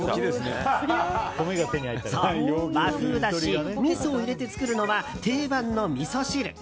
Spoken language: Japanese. そう、和風だし、みそを入れて作るのは、定番のみそ汁。